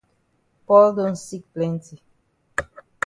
Paul don sick plenti.